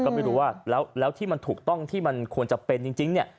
ก็ไม่รู้ว่าแล้วที่มันถูกต้องที่มันควรจะเป็นจริงเนี่ย